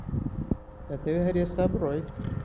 دەتەوێت هەر ئێستا بڕۆیت؟